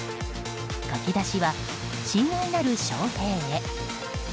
書き出しは「親愛なる翔平へ」。